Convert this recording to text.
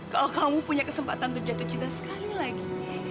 kalau kamu punya kesempatan untuk jatuh cinta sekali lagi